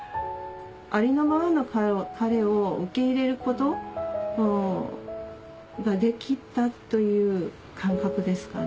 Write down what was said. ありのままの彼を受け入れることができたという感覚ですかね。